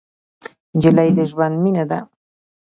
نجلۍ د ژوند مینه ده.